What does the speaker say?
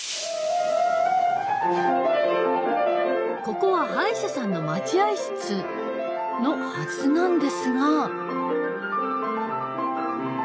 ここは歯医者さんの待合室のはずなんですが。